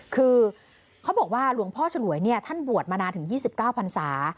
คือเขาบอกว่าหลวงพ่อฉลวยท่านบวชมานานถึง๒๙พันศา